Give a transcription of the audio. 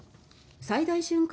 最大瞬間